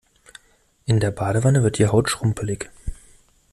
In der Badewanne wird die Haut schrumpelig.